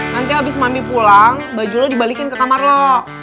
nanti habis mami pulang baju lo dibalikin ke kamar lo